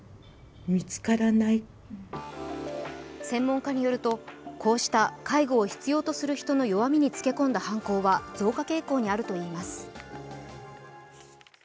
専門家によると、こうした介護を必要とする人の弱みにつけ込んだ犯行は増加傾向にあるといいます。